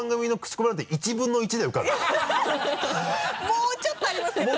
もうちょっとありますけどね。